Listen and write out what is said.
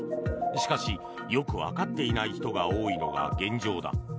しかし、よく分かっていない人が多いのが現状だ。